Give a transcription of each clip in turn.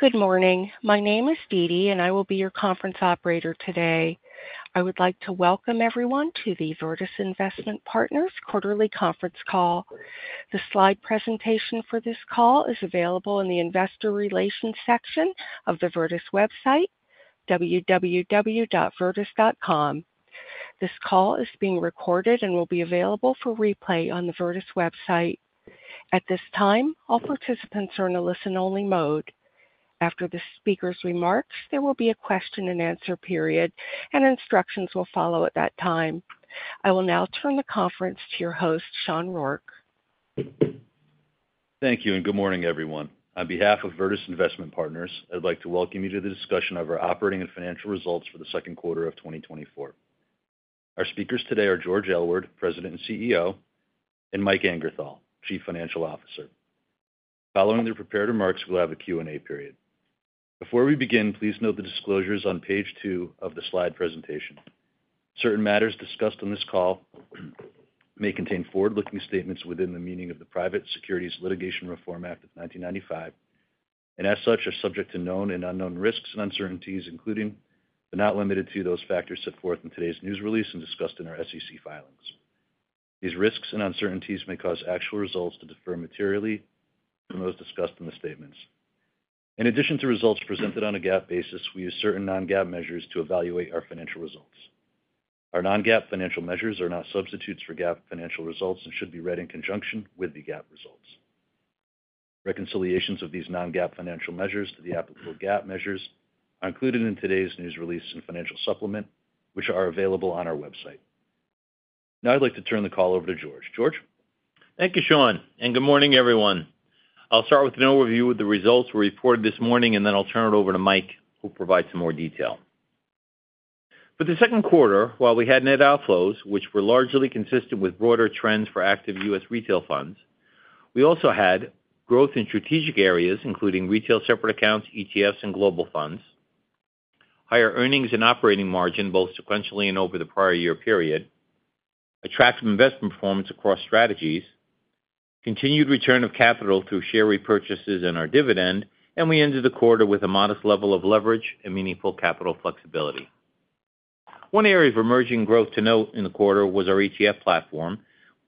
Good morning. My name is Dee Dee, and I will be your conference operator today. I would like to welcome everyone to the Virtus Investment Partners quarterly conference call. The slide presentation for this call is available in the investor relations section of the Virtus website, www.virtus.com. This call is being recorded and will be available for replay on the Virtus website. At this time, all participants are in a listen-only mode. After the speaker's remarks, there will be a question-and-answer period, and instructions will follow at that time. I will now turn the conference to your host, Sean Rourke. Thank you, and good morning, everyone. On behalf of Virtus Investment Partners, I'd like to welcome you to the discussion of our operating and financial results for the second quarter of 2024. Our speakers today are George Aylward, President and CEO, and Mike Angerthal, Chief Financial Officer. Following the prepared remarks, we'll have a Q&A period. Before we begin, please note the disclosures on page two of the slide presentation. Certain matters discussed in this call may contain forward-looking statements within the meaning of the Private Securities Litigation Reform Act of 1995, and as such, are subject to known and unknown risks and uncertainties, including, but not limited to, those factors set forth in today's news release and discussed in our SEC filings. These risks and uncertainties may cause actual results to differ materially from those discussed in the statements. In addition to results presented on a GAAP basis, we use certain non-GAAP measures to evaluate our financial results. Our non-GAAP financial measures are not substitutes for GAAP financial results and should be read in conjunction with the GAAP results. Reconciliations of these non-GAAP financial measures to the applicable GAAP measures are included in today's news release and financial supplement, which are available on our website. Now, I'd like to turn the call over to George. George. Thank you, Sean, and good morning, everyone. I'll start with an overview of the results we reported this morning, and then I'll turn it over to Mike, who'll provide some more detail. For the second quarter, while we had net outflows, which were largely consistent with broader trends for active U.S. retail funds, we also had growth in strategic areas, including retail separate accounts, ETFs, and global funds, higher earnings and operating margin both sequentially and over the prior year period, attractive investment performance across strategies, continued return of capital through share repurchases and our dividend, and we ended the quarter with a modest level of leverage and meaningful capital flexibility. One area of emerging growth to note in the quarter was our ETF platform,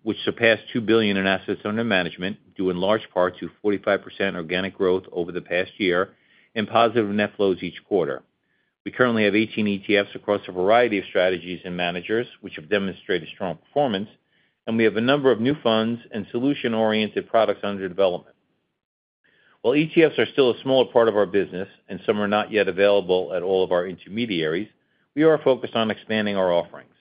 which surpassed $2 billion in assets under management due in large part to 45% organic growth over the past year and positive net flows each quarter. We currently have 18 ETFs across a variety of strategies and managers, which have demonstrated strong performance, and we have a number of new funds and solution-oriented products under development. While ETFs are still a smaller part of our business and some are not yet available at all of our intermediaries, we are focused on expanding our offerings.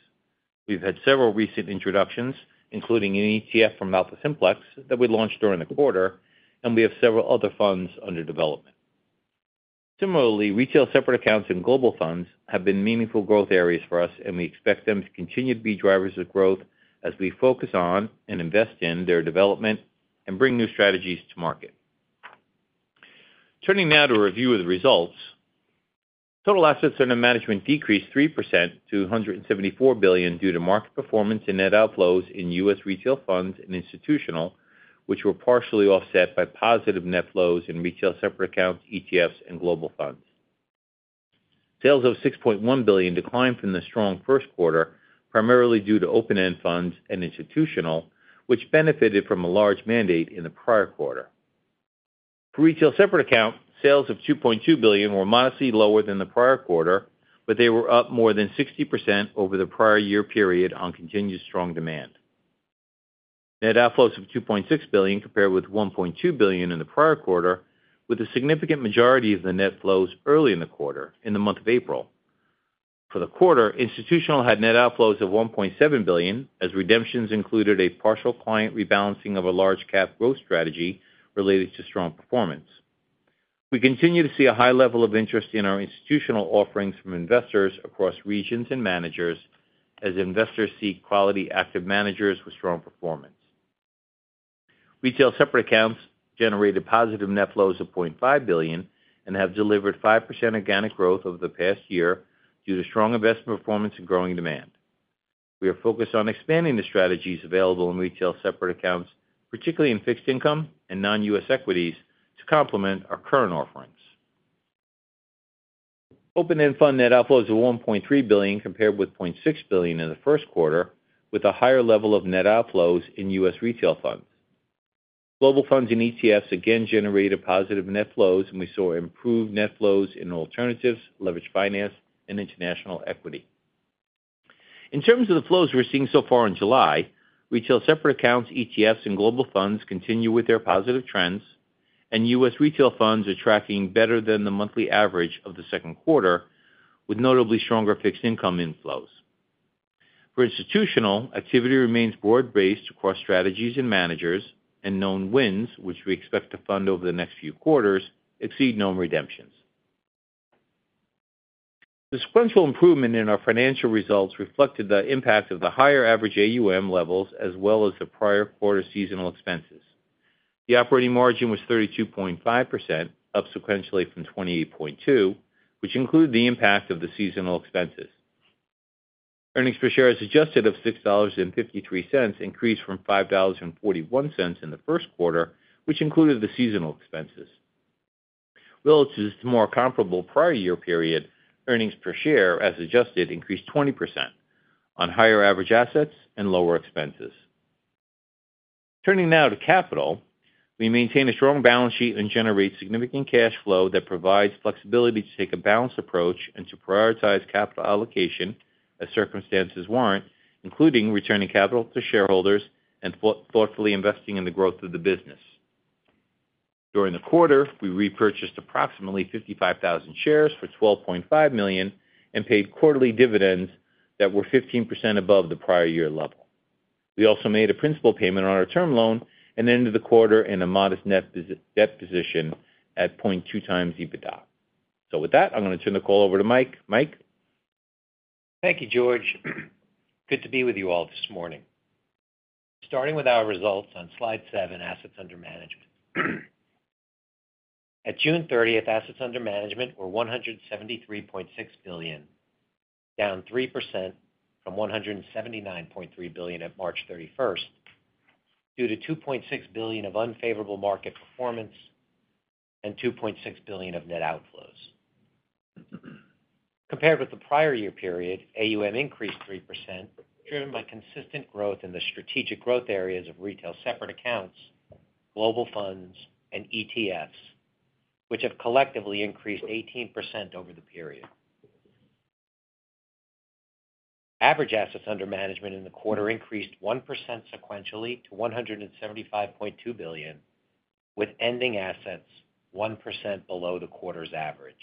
We've had several recent introductions, including an ETF from AlphaSimplex that we launched during the quarter, and we have several other funds under development. Similarly, Retail Separate Accounts and Global Funds have been meaningful growth areas for us, and we expect them to continue to be drivers of growth as we focus on and invest in their development and bring new strategies to market. Turning now to a review of the results, total assets under management decreased 3% to $174 billion due to market performance and net outflows in U.S. Retail Funds and Institutional, which were partially offset by positive net flows in Retail Separate Accounts, ETFs, and Global Funds. Sales of $6.1 billion declined from the strong first quarter, primarily due to Open-End Funds and Institutional, which benefited from a large mandate in the prior quarter. For Retail Separate Accounts, sales of $2.2 billion were modestly lower than the prior quarter, but they were up more than 60% over the prior year period on continued strong demand. Net outflows of $2.6 billion compared with $1.2 billion in the prior quarter, with a significant majority of the net flows early in the quarter, in the month of April. For the quarter, institutional had net outflows of $1.7 billion, as redemptions included a partial client rebalancing of a large-cap growth strategy related to strong performance. We continue to see a high level of interest in our institutional offerings from investors across regions and managers, as investors seek quality active managers with strong performance. Retail separate accounts generated positive net flows of $0.5 billion and have delivered 5% organic growth over the past year due to strong investment performance and growing demand. We are focused on expanding the strategies available in retail separate accounts, particularly in fixed income and non-U.S. equities, to complement our current offerings. Open-end fund net outflows of $1.3 billion compared with $0.6 billion in the first quarter, with a higher level of net outflows in U.S. retail funds. Global funds and ETFs again generated positive net flows, and we saw improved net flows in alternatives, leveraged finance, and international equity. In terms of the flows we're seeing so far in July, retail separate accounts, ETFs, and global funds continue with their positive trends, and U.S. retail funds are tracking better than the monthly average of the second quarter, with notably stronger fixed income inflows. For institutional, activity remains broad-based across strategies and managers, and known wins, which we expect to fund over the next few quarters, exceed known redemptions. The sequential improvement in our financial results reflected the impact of the higher average AUM levels as well as the prior quarter seasonal expenses. The operating margin was 32.5%, up sequentially from 28.2%, which included the impact of the seasonal expenses. Earnings per share as adjusted of $6.53 increased from $5.41 in the first quarter, which included the seasonal expenses. Relative to the more comparable prior year period, earnings per share as adjusted increased 20% on higher average assets and lower expenses. Turning now to capital, we maintain a strong balance sheet and generate significant cash flow that provides flexibility to take a balanced approach and to prioritize capital allocation as circumstances warrant, including returning capital to shareholders and thoughtfully investing in the growth of the business. During the quarter, we repurchased approximately 55,000 shares for $12.5 million and paid quarterly dividends that were 15% above the prior year level. We also made a principal payment on our term loan and ended the quarter in a modest net debt position at 0.2 times EBITDA. With that, I'm going to turn the call over to Mike. Mike. Thank you, George. Good to be with you all this morning. Starting with our results on slide seven, assets under management. At June 30th, assets under management were $173.6 billion, down 3% from $179.3 billion at March 31st, due to $2.6 billion of unfavorable market performance and $2.6 billion of net outflows. Compared with the prior year period, AUM increased 3%, driven by consistent growth in the strategic growth areas of retail separate accounts, global funds, and ETFs, which have collectively increased 18% over the period. Average assets under management in the quarter increased 1% sequentially to $175.2 billion, with ending assets 1% below the quarter's average.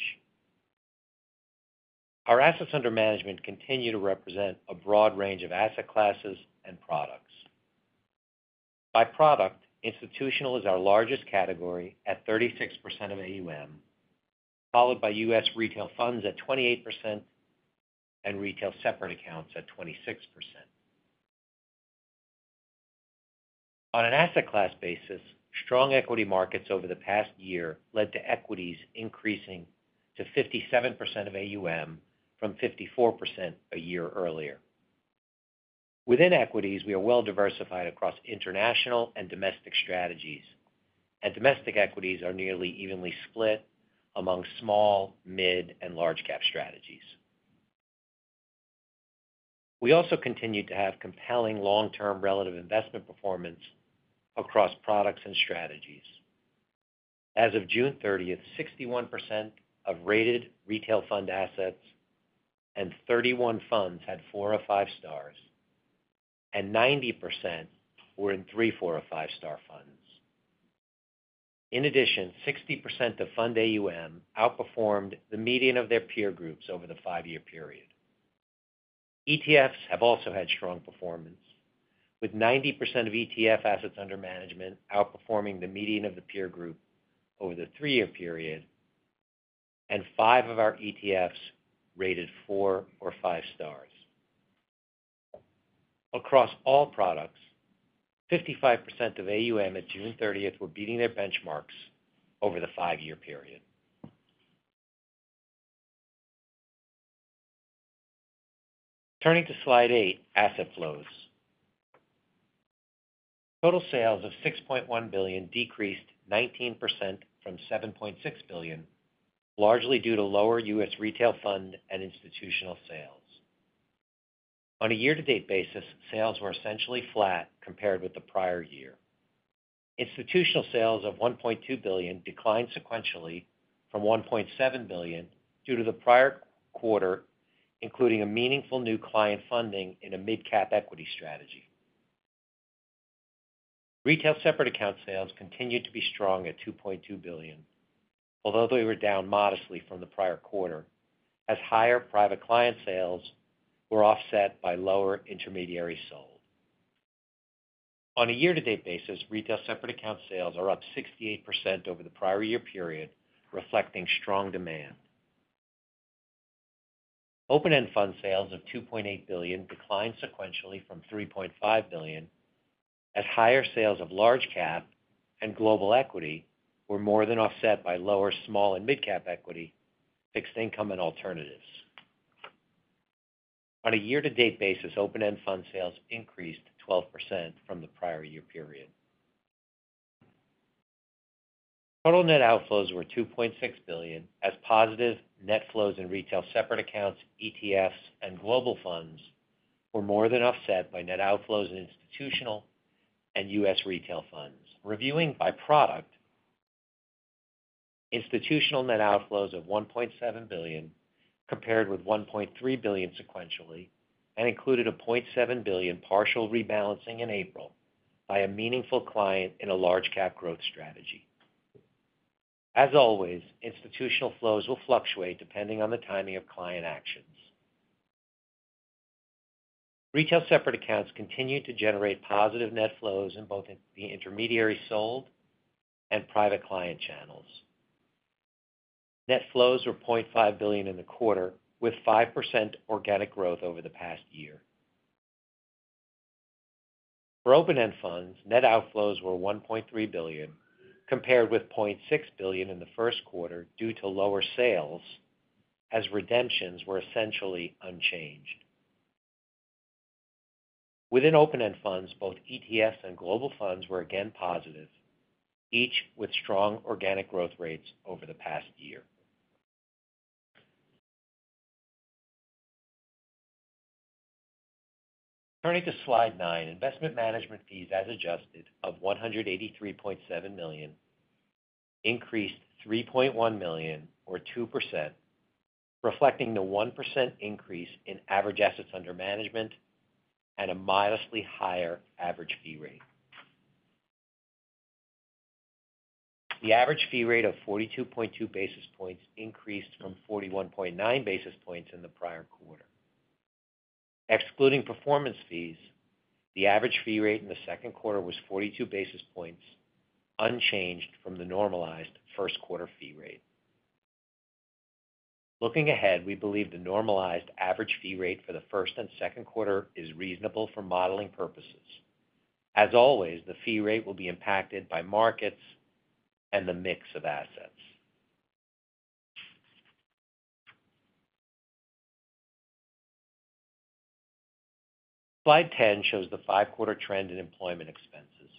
Our assets under management continue to represent a broad range of asset classes and products. By product, institutional is our largest category at 36% of AUM, followed by U.S. retail funds at 28% and retail separate accounts at 26%. On an asset class basis, strong equity markets over the past year led to equities increasing to 57% of AUM from 54% a year earlier. Within equities, we are well diversified across international and domestic strategies, and domestic equities are nearly evenly split among small, mid-cap, and large-cap strategies. We also continue to have compelling long-term relative investment performance across products and strategies. As of June 30th, 61% of rated retail fund assets and 31 funds had four or five stars, and 90% were in three, four, or five-star funds. In addition, 60% of fund AUM outperformed the median of their peer groups over the five-year period. ETFs have also had strong performance, with 90% of ETF assets under management outperforming the median of the peer group over the three-year period, and five of our ETFs rated four or five stars. Across all products, 55% of AUM at June 30th were beating their benchmarks over the five-year period. Turning to slide eight, asset flows. Total sales of $6.1 billion decreased 19% from $7.6 billion, largely due to lower U.S. retail fund and institutional sales. On a year-to-date basis, sales were essentially flat compared with the prior year. Institutional sales of $1.2 billion declined sequentially from $1.7 billion due to the prior quarter, including a meaningful new client funding in a mid-Cap equity strategy. Retail separate account sales continued to be strong at $2.2 billion, although they were down modestly from the prior quarter, as higher private client sales were offset by lower intermediaries sold. On a year-to-date basis, retail separate account sales are up 68% over the prior year period, reflecting strong demand. Open-end fund sales of $2.8 billion declined sequentially from $3.5 billion, as higher sales of large-cap and global equity were more than offset by lower small and mid-cap equity, fixed income, and alternatives. On a year-to-date basis, open-end fund sales increased 12% from the prior year period. Total net outflows were $2.6 billion, as positive net flows in retail separate accounts, ETFs, and global funds were more than offset by net outflows in institutional and U.S. retail funds. Reviewing by product, institutional net outflows of $1.7 billion compared with $1.3 billion sequentially and included a $0.7 billion partial rebalancing in April by a meaningful client in a large-cap growth strategy. As always, institutional flows will fluctuate depending on the timing of client actions. Retail separate accounts continue to generate positive net flows in both the intermediary sold and private client channels. Net flows were $0.5 billion in the quarter, with 5% organic growth over the past year. For open-end funds, net outflows were $1.3 billion, compared with $0.6 billion in the first quarter due to lower sales, as redemptions were essentially unchanged. Within open-end funds, both ETFs and global funds were again positive, each with strong organic growth rates over the past year. Turning to slide nine, investment management fees as adjusted of $183.7 million increased $3.1 million, or 2%, reflecting the 1% increase in average assets under management and a modestly higher average fee rate. The average fee rate of 42.2 basis points increased from 41.9 basis points in the prior quarter. Excluding performance fees, the average fee rate in the second quarter was 42 basis points, unchanged from the normalized first quarter fee rate. Looking ahead, we believe the normalized average fee rate for the first and second quarter is reasonable for modeling purposes. As always, the fee rate will be impacted by markets and the mix of assets. Slide 10 shows the five-quarter trend in employment expenses.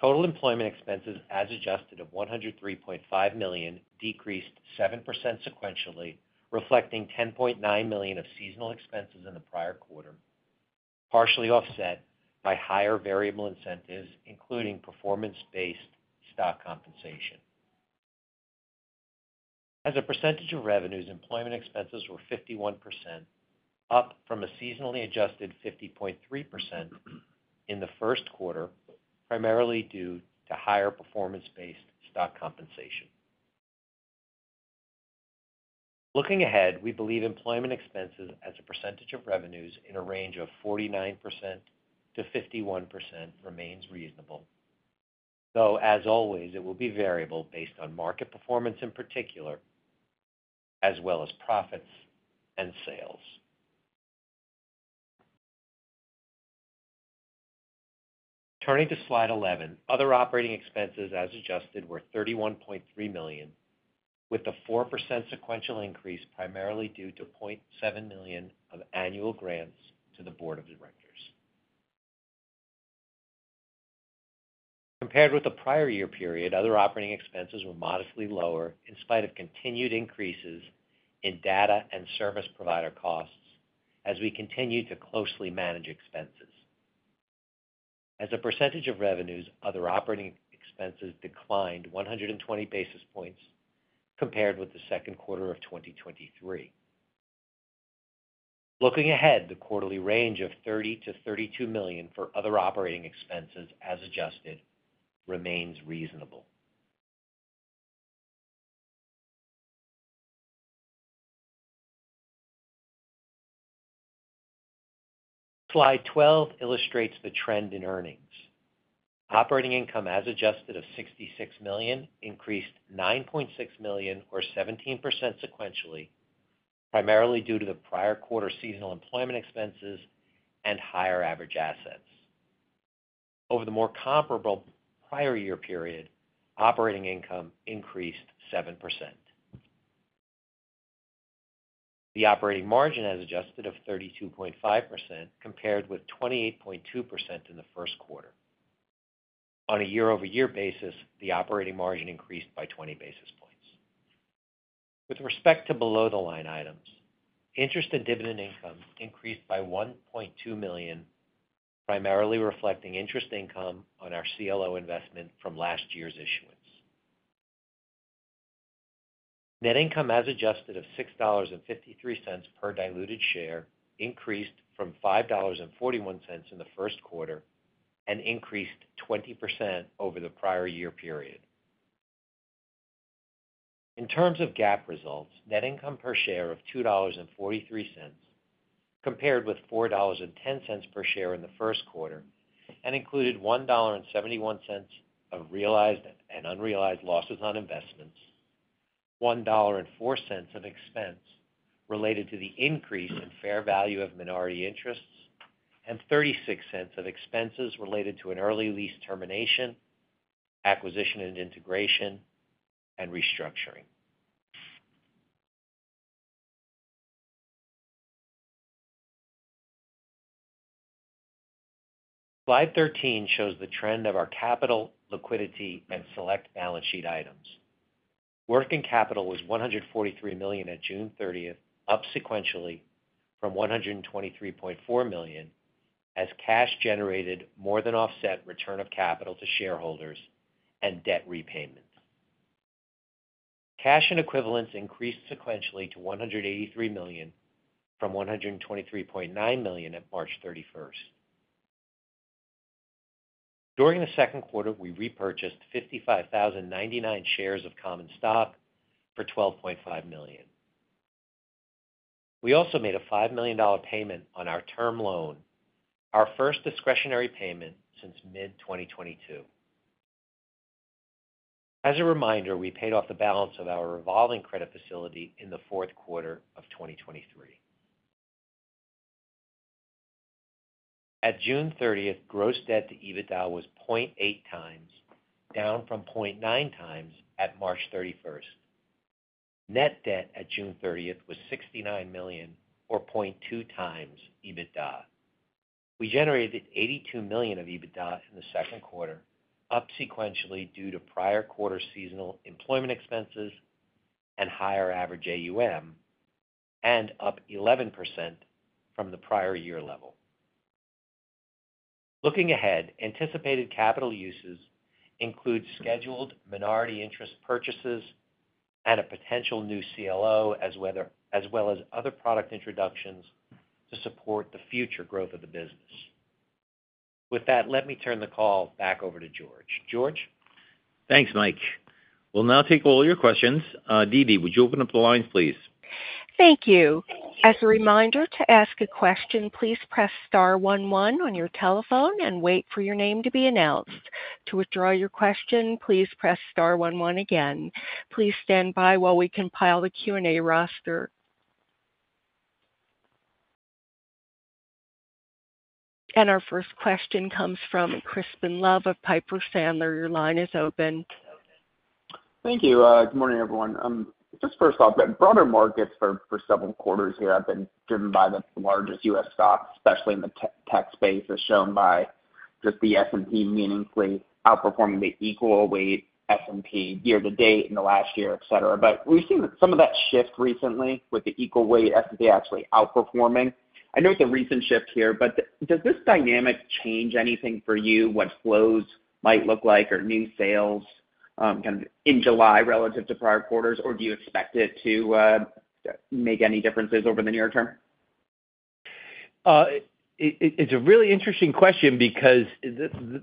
Total employment expenses as adjusted of $103.5 million decreased 7% sequentially, reflecting $10.9 million of seasonal expenses in the prior quarter, partially offset by higher variable incentives, including performance-based stock compensation. As a percentage of revenues, employment expenses were 51%, up from a seasonally adjusted 50.3% in the first quarter, primarily due to higher performance-based stock compensation. Looking ahead, we believe employment expenses as a percentage of revenues in a range of 49%-51% remains reasonable, though as always, it will be variable based on market performance in particular, as well as profits and sales. Turning to slide 11, other operating expenses as adjusted were $31.3 million, with a 4% sequential increase primarily due to $0.7 million of annual grants to the board of directors. Compared with the prior year period, other operating expenses were modestly lower in spite of continued increases in data and service provider costs as we continue to closely manage expenses. As a percentage of revenues, other operating expenses declined 120 basis points compared with the second quarter of 2023. Looking ahead, the quarterly range of $30-$32 million for other operating expenses as adjusted remains reasonable. Slide 12 illustrates the trend in earnings. Operating income as adjusted of $66 million increased 9.6 million, or 17% sequentially, primarily due to the prior quarter seasonal employment expenses and higher average assets. Over the more comparable prior year period, operating income increased 7%. The operating margin as adjusted of 32.5% compared with 28.2% in the first quarter. On a year-over-year basis, the operating margin increased by 20 basis points. With respect to below-the-line items, interest and dividend income increased by $1.2 million, primarily reflecting interest income on our CLO investment from last year's issuance. Net income as adjusted of $6.53 per diluted share increased from $5.41 in the first quarter and increased 20% over the prior year period. In terms of GAAP results, net income per share of $2.43 compared with $4.10 per share in the first quarter and included $1.71 of realized and unrealized losses on investments, $1.04 of expense related to the increase in fair value of minority interests, and $0.36 of expenses related to an early lease termination, acquisition and integration, and restructuring. Slide 13 shows the trend of our capital, liquidity, and select balance sheet items. Working capital was $143 million at June 30th, up sequentially from $123.4 million as cash generated more than offset return of capital to shareholders and debt repayments. Cash and equivalents increased sequentially to $183 million from $123.9 million at March 31st. During the second quarter, we repurchased 55,099 shares of common stock for $12.5 million. We also made a $5 million payment on our term loan, our first discretionary payment since mid-2022. As a reminder, we paid off the balance of our revolving credit facility in the fourth quarter of 2023. At June 30th, gross debt to EBITDA was 0.8 times, down from 0.9 times at March 31st. Net debt at June 30th was $69 million, or 0.2 times EBITDA. We generated $82 million of EBITDA in the second quarter, up sequentially due to prior quarter seasonal employment expenses and higher average AUM, and up 11% from the prior year level. Looking ahead, anticipated capital uses include scheduled minority interest purchases and a potential new CLO, as well as other product introductions to support the future growth of the business. With that, let me turn the call back over to George. George. Thanks, Mike. We'll now take all your questions. Dee Dee, would you open up the lines, please? Thank you. As a reminder to ask a question, please press star one one on your telephone and wait for your name to be announced. To withdraw your question, please press star one one again. Please stand by while we compile the Q&A roster. Our first question comes from Crispin Love of Piper Sandler. Your line is open. Thank you. Good morning, everyone. Just first off, broader markets for several quarters here, I've been driven by the largest U.S. stocks, especially in the tech space, as shown by just the S&P meaningfully outperforming the Equal-Weight S&P year-to-date in the last year, etc. But we've seen some of that shift recently with the Equal-Weight S&P actually outperforming. I know it's a recent shift here, but does this dynamic change anything for you, what flows might look like, or new sales kind of in July relative to prior quarters, or do you expect it to make any differences over the near term? It's a really interesting question because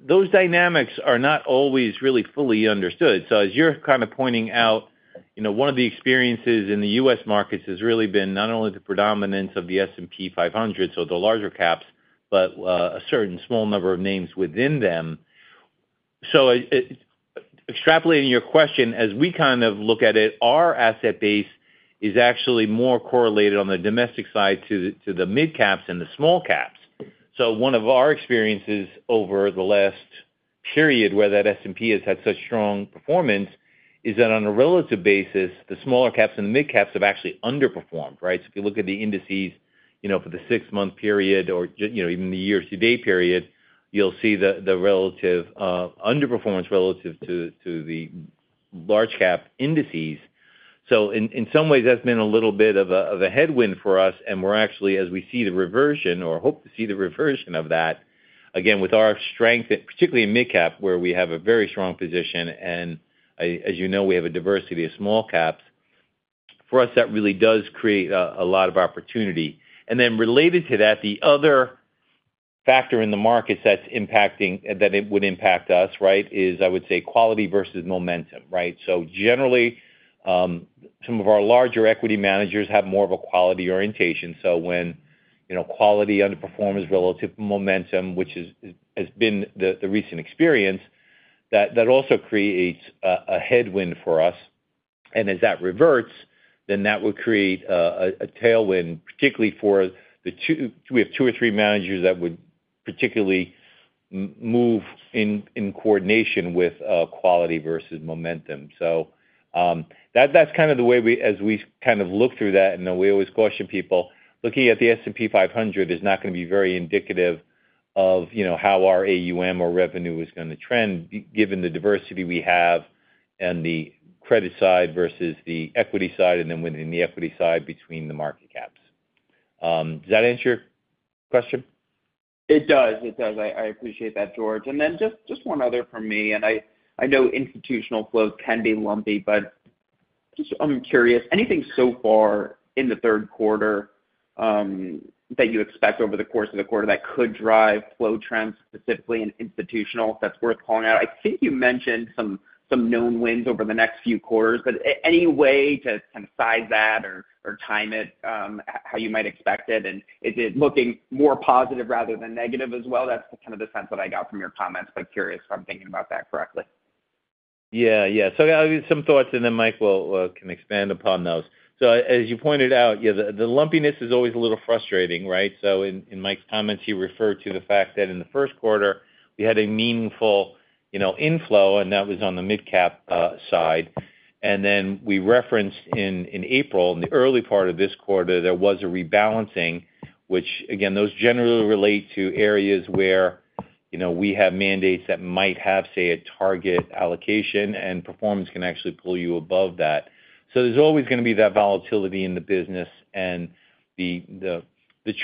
those dynamics are not always really fully understood. So as you're kind of pointing out, one of the experiences in the U.S. Markets has really been not only the predominance of the S&P 500, so the larger caps, but a certain small number of names within them. So extrapolating your question, as we kind of look at it, our asset base is actually more correlated on the domestic side to the mid-caps and the small caps. So one of our experiences over the last period where that S&P has had such strong performance is that on a relative basis, the smaller caps and the mid-caps have actually underperformed, right? So if you look at the indices for the six-month period or even the year-to-date period, you'll see the relative underperformance relative to the large-cap indices. So in some ways, that's been a little bit of a headwind for us, and we're actually, as we see the reversion or hope to see the reversion of that, again, with our strength, particularly in mid-cap, where we have a very strong position, and as you know, we have a diversity of small caps, for us, that really does create a lot of opportunity. And then related to that, the other factor in the markets that it would impact us, right, is, I would say, quality versus momentum, right? So generally, some of our larger equity managers have more of a quality orientation. So when quality underperforms relative to momentum, which has been the recent experience, that also creates a headwind for us. And as that reverts, then that would create a tailwind, particularly for the two—we have two or three managers that would particularly move in coordination with quality versus momentum. So that's kind of the way as we kind of look through that, and we always caution people, looking at the S&P 500 is not going to be very indicative of how our AUM or revenue is going to trend, given the diversity we have and the credit side versus the equity side, and then within the equity side between the market caps. Does that answer your question? It does. It does. I appreciate that, George. And then just one other from me, and I know institutional flows can be lumpy, but just I'm curious, anything so far in the third quarter that you expect over the course of the quarter that could drive flow trends specifically in institutional that's worth calling out? I think you mentioned some known wins over the next few quarters, but any way to kind of size that or time it, how you might expect it, and is it looking more positive rather than negative as well? That's kind of the sense that I got from your comments, but curious if I'm thinking about that correctly. Yeah. Yeah. So I'll give you some thoughts, and then Mike can expand upon those. So as you pointed out, the lumpiness is always a little frustrating, right? So in Mike's comments, he referred to the fact that in the first quarter, we had a meaningful inflow, and that was on the Mid-Cap side. And then we referenced in April, in the early part of this quarter, there was a rebalancing, which, again, those generally relate to areas where we have mandates that might have, say, a target allocation, and performance can actually pull you above that. So there's always going to be that volatility in the business, and the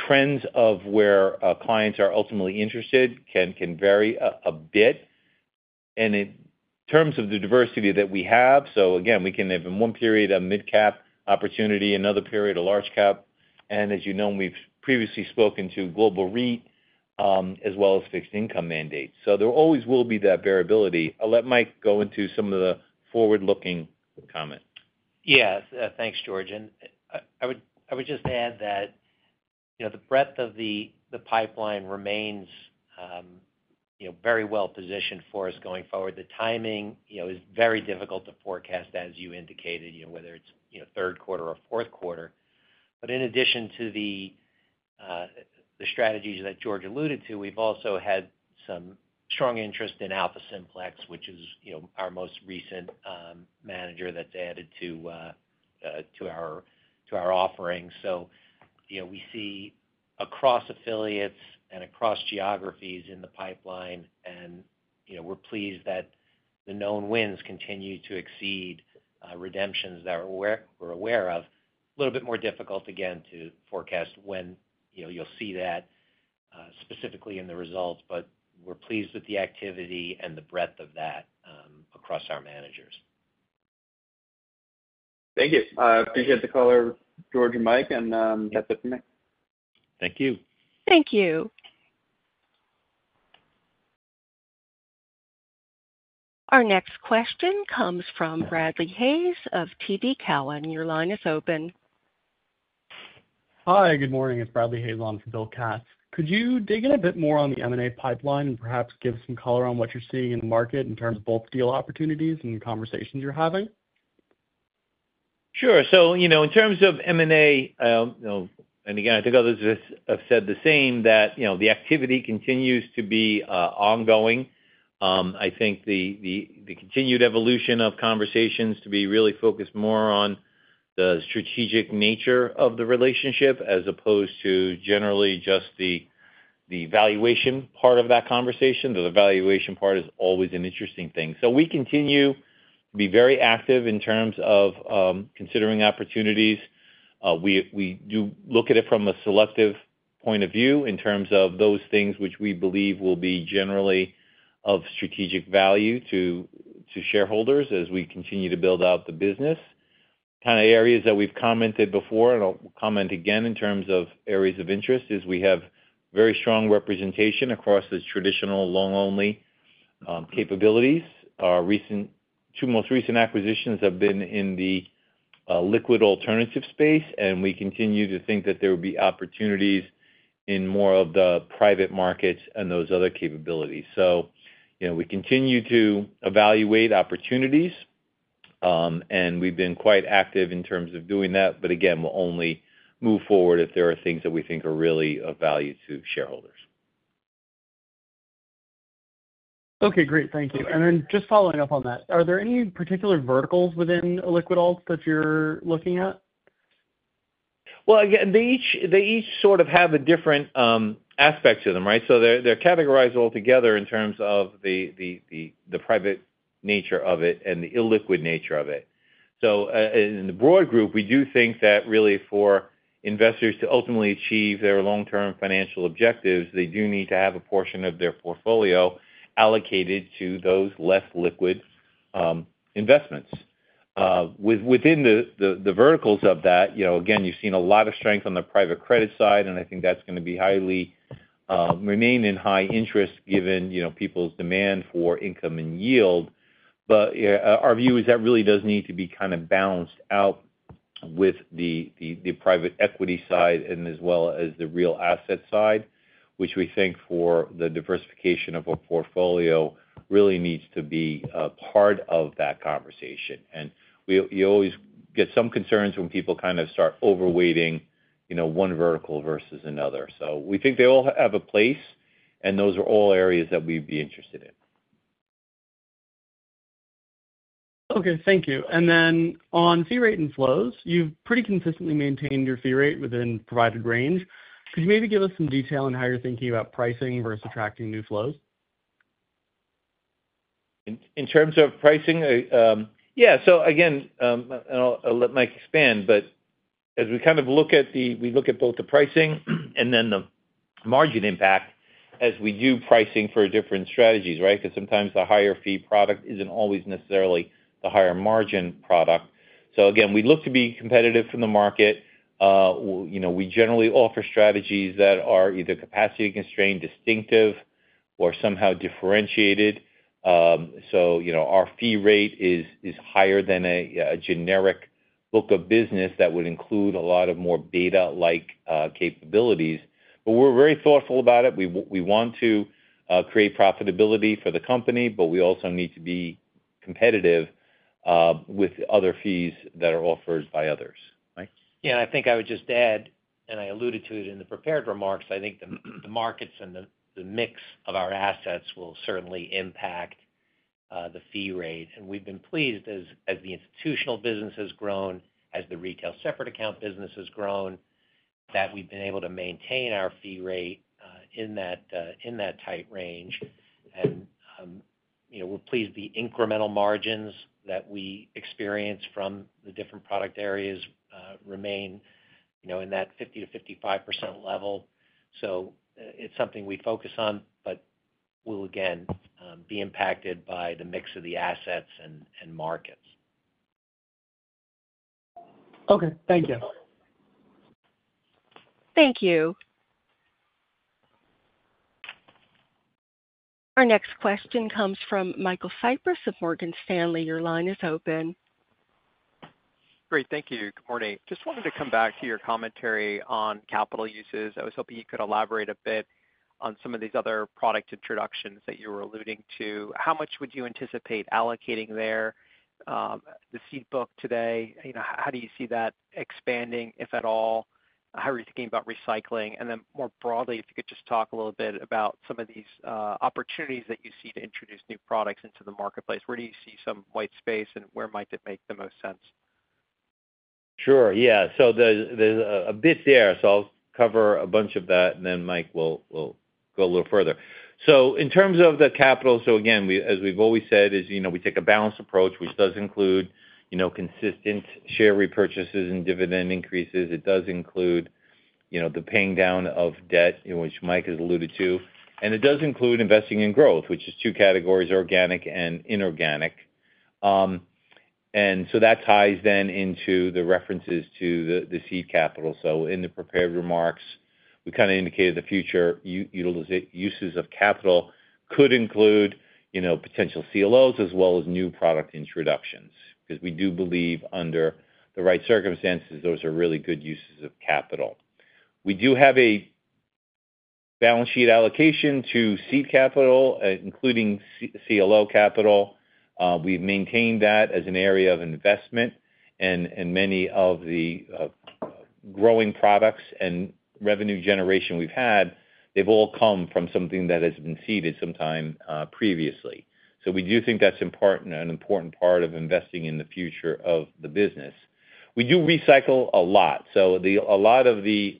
trends of where clients are ultimately interested can vary a bit. And in terms of the diversity that we have, so again, we can have in one period a Mid-Cap opportunity, another period a large-Cap, and as you know, we've previously spoken to global REIT as well as fixed income mandates. So there always will be that variability. I'll let Mike go into some of the forward-looking comments. Yeah. Thanks, George. And I would just add that the breadth of the pipeline remains very well positioned for us going forward. The timing is very difficult to forecast, as you indicated, whether it's third quarter or fourth quarter. But in addition to the strategies that George alluded to, we've also had some strong interest in AlphaSimplex, which is our most recent manager that's added to our offering. So we see across affiliates and across geographies in the pipeline, and we're pleased that the known wins continue to exceed redemptions that we're aware of. A little bit more difficult, again, to forecast when you'll see that specifically in the results, but we're pleased with the activity and the breadth of that across our managers. Thank you. Appreciate the call, George, and Mike, and that's it for me. Thank you. Thank you. Our next question comes from Bradley Hayes of TD Cowen. Your line is open. Hi. Good morning. It's Bradley Hayes on for Bill Katz. Could you dig in a bit more on the M&A pipeline and perhaps give some color on what you're seeing in the market in terms of both deal opportunities and conversations you're having? Sure. So in terms of M&A, and again, I think others have said the same, that the activity continues to be ongoing. I think the continued evolution of conversations to be really focused more on the strategic nature of the relationship as opposed to generally just the valuation part of that conversation. The valuation part is always an interesting thing. So we continue to be very active in terms of considering opportunities. We do look at it from a selective point of view in terms of those things which we believe will be generally of strategic value to shareholders as we continue to build out the business. Kind of areas that we've commented before and I'll comment again in terms of areas of interest is we have very strong representation across the traditional long-only capabilities. Our two most recent acquisitions have been in the liquid alternative space, and we continue to think that there would be opportunities in more of the private markets and those other capabilities. So we continue to evaluate opportunities, and we've been quite active in terms of doing that, but again, we'll only move forward if there are things that we think are really of value to shareholders. Okay. Great. Thank you. And then just following up on that, are there any particular verticals within liquid alts that you're looking at? Well, again, they each sort of have a different aspect to them, right? So they're categorized altogether in terms of the private nature of it and the illiquid nature of it. So in the broad group, we do think that really for investors to ultimately achieve their long-term financial objectives, they do need to have a portion of their portfolio allocated to those less liquid investments. Within the verticals of that, again, you've seen a lot of strength on the private credit side, and I think that's going to remain in high interest given people's demand for income and yield. But our view is that really does need to be kind of balanced out with the private equity side and as well as the real asset side, which we think for the diversification of a portfolio really needs to be part of that conversation. And you always get some concerns when people kind of start overweighting one vertical versus another. So we think they all have a place, and those are all areas that we'd be interested in. Okay. Thank you. And then on fee rate and flows, you've pretty consistently maintained your fee rate within provided range. Could you maybe give us some detail on how you're thinking about pricing versus attracting new flows? In terms of pricing? Yeah. So again, I'll let Mike expand, but as we kind of look at both the pricing and then the margin impact as we do pricing for different strategies, right? Because sometimes the higher fee product isn't always necessarily the higher margin product. So again, we look to be competitive from the market. We generally offer strategies that are either capacity-constrained, distinctive, or somehow differentiated. So our fee rate is higher than a generic book of business that would include a lot more beta-like capabilities. But we're very thoughtful about it. We want to create profitability for the company, but we also need to be competitive with other fees that are offered by others, right? Yeah. And I think I would just add, and I alluded to it in the prepared remarks, I think the markets and the mix of our assets will certainly impact the fee rate. And we've been pleased as the institutional business has grown, as the retail separate account business has grown, that we've been able to maintain our fee rate in that tight range. And we're pleased the incremental margins that we experience from the different product areas remain in that 50%-55% level. So it's something we focus on, but we'll, again, be impacted by the mix of the assets and markets. Okay. Thank you. Thank you. Our next question comes from Michael Cyprys of Morgan Stanley. Your line is open. Great. Thank you. Good morning. Just wanted to come back to your commentary on capital uses. I was hoping you could elaborate a bit on some of these other product introductions that you were alluding to. How much would you anticipate allocating there? The seed book today, how do you see that expanding, if at all? How are you thinking about recycling? And then more broadly, if you could just talk a little bit about some of these opportunities that you see to introduce new products into the marketplace. Where do you see some white space, and where might it make the most sense? Sure. Yeah. So there's a bit there. So I'll cover a bunch of that, and then Mike will go a little further. So in terms of the capital, so again, as we've always said, we take a balanced approach, which does include consistent share repurchases and dividend increases. It does include the paying down of debt, which Mike has alluded to. It does include investing in growth, which is two categories: organic and inorganic. So that ties then into the references to the seed capital. In the prepared remarks, we kind of indicated the future uses of capital could include potential CLOs as well as new product introductions because we do believe under the right circumstances, those are really good uses of capital. We do have a balance sheet allocation to seed capital, including CLO capital. We've maintained that as an area of investment, and many of the growing products and revenue generation we've had, they've all come from something that has been seeded sometime previously. So we do think that's an important part of investing in the future of the business. We do recycle a lot. So a lot of the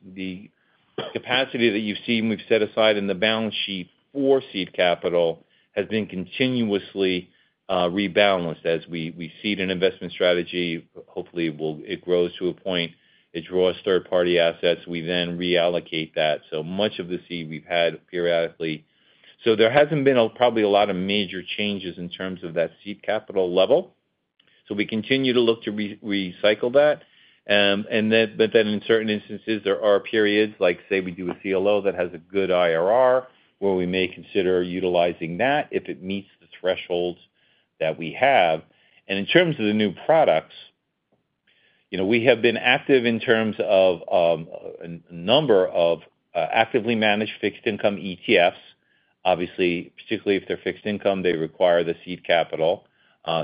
capacity that you've seen we've set aside in the balance sheet for seed capital has been continuously rebalanced as we seed an investment strategy. Hopefully, it grows to a point, it draws third-party assets. We then reallocate that. So much of the seed we've had periodically. So there hasn't been probably a lot of major changes in terms of that seed capital level. So we continue to look to recycle that. But then in certain instances, there are periods, like say we do a CLO that has a good IRR, where we may consider utilizing that if it meets the thresholds that we have. And in terms of the new products, we have been active in terms of a number of actively managed fixed income ETFs. Obviously, particularly if they're fixed income, they require the seed capital.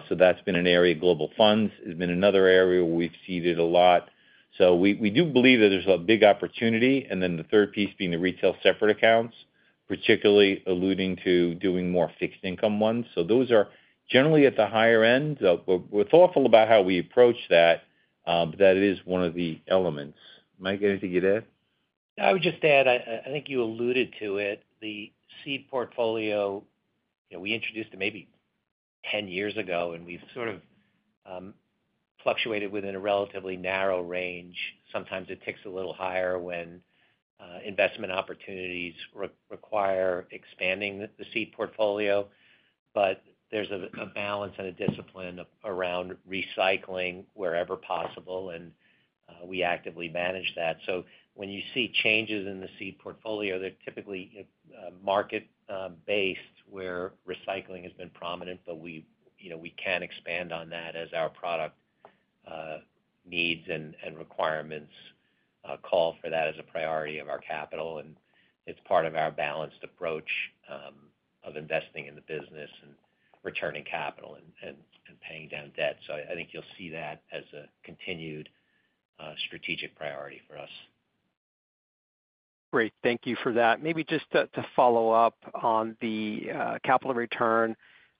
So that's been an area. Global Funds has been another area where we've seeded a lot. So we do believe that there's a big opportunity. Then the third piece being the retail separate accounts, particularly alluding to doing more fixed income ones. So those are generally at the higher end. We're thoughtful about how we approach that, but that is one of the elements. Mike, anything you'd add? I would just add, I think you alluded to it. The seed portfolio, we introduced it maybe 10 years ago, and we've sort of fluctuated within a relatively narrow range. Sometimes it ticks a little higher when investment opportunities require expanding the seed portfolio. But there's a balance and a discipline around recycling wherever possible, and we actively manage that. So when you see changes in the seed portfolio, they're typically market-based where recycling has been prominent, but we can expand on that as our product needs and requirements call for that as a priority of our capital. And it's part of our balanced approach of investing in the business and returning capital and paying down debt. So I think you'll see that as a continued strategic priority for us. Great. Thank you for that. Maybe just to follow up on the capital return,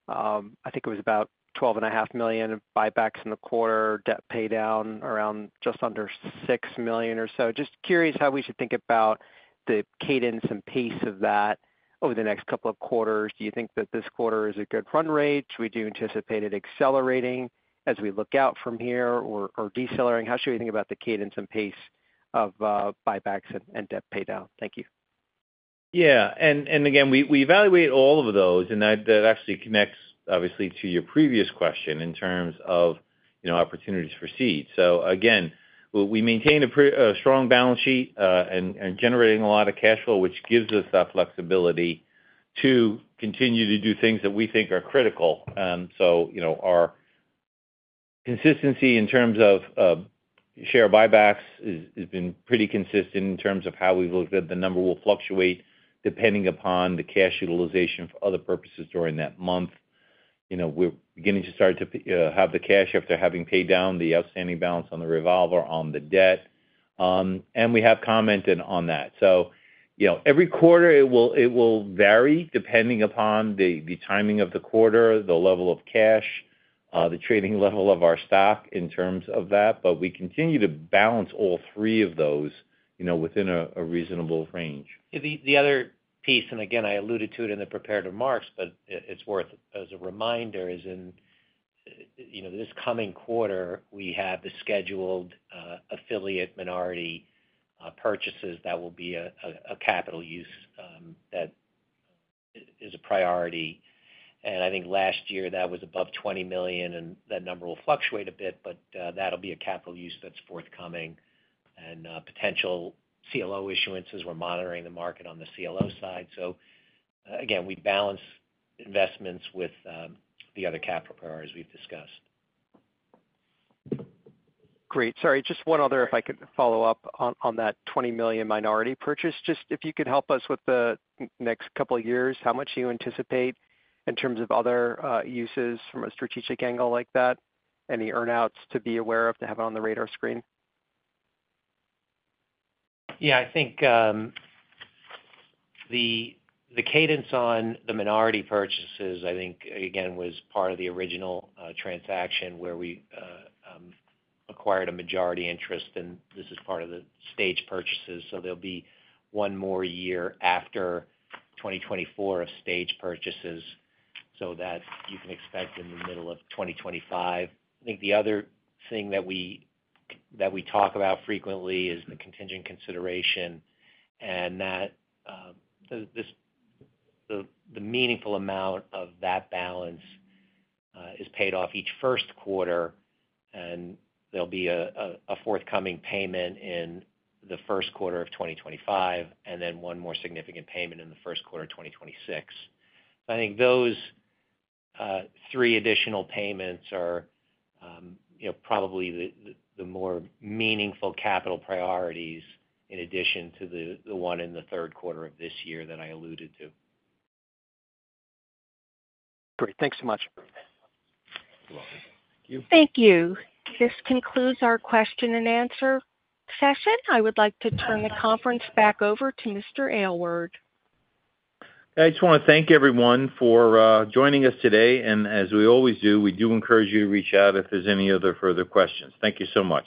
I think it was about $12.5 million buybacks in the quarter, debt pay down around just under $6 million or so. Just curious how we should think about the cadence and pace of that over the next couple of quarters. Do you think that this quarter is a good run rate? Do we anticipate it accelerating as we look out from here or decelerating? How should we think about the cadence and pace of buybacks and debt pay down? Thank you. Yeah. And again, we evaluate all of those, and that actually connects, obviously, to your previous question in terms of opportunities for seed. So again, we maintain a strong balance sheet and generating a lot of cash flow, which gives us that flexibility to continue to do things that we think are critical. So our consistency in terms of share buybacks has been pretty consistent in terms of how we've looked at the number will fluctuate depending upon the cash utilization for other purposes during that month. We're beginning to start to have the cash after having paid down the outstanding balance on the revolver on the debt. And we have commented on that. So every quarter, it will vary depending upon the timing of the quarter, the level of cash, the trading level of our stock in terms of that. But we continue to balance all three of those within a reasonable range. The other piece, and again, I alluded to it in the prepared remarks, but it's worth, as a reminder, is in this coming quarter, we have the scheduled affiliate minority purchases that will be a capital use that is a priority. And I think last year that was above $20 million, and that number will fluctuate a bit, but that'll be a capital use that's forthcoming. And potential CLO issuances, we're monitoring the market on the CLO side. So again, we balance investments with the other capital priorities we've discussed. Great. Sorry. Just one other, if I could follow up on that $20 million minority purchase. Just if you could help us with the next couple of years, how much do you anticipate in terms of other uses from a strategic angle like that? Any earnings to be aware of to have it on the radar screen? Yeah. I think the cadence on the minority purchases, I think, again, was part of the original transaction where we acquired a majority interest, and this is part of the staged purchases. So there'll be one more year after 2024 of staged purchases so that you can expect in the middle of 2025. I think the other thing that we talk about frequently is the contingent consideration and that the meaningful amount of that balance is paid off each first quarter, and there'll be a forthcoming payment in the first quarter of 2025, and then one more significant payment in the first quarter of 2026. I think those three additional payments are probably the more meaningful capital priorities in addition to the one in the third quarter of this year that I alluded to. Great. Thanks so much. You're welcome. Thank you. Thank you. This concludes our question and answer session. I would like to turn the conference back over to Mr. Aylward. I just want to thank everyone for joining us today. As we always do, we do encourage you to reach out if there's any other further questions. Thank you so much.